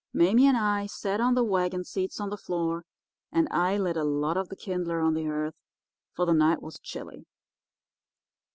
"Mame and I sat on the wagon seats on the floor, and I lit a lot of the kindler on the hearth, for the night was chilly.